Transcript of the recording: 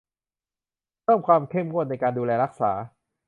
เพิ่มความเข้มงวดในการดูแลรักษา